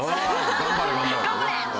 「頑張れ！」。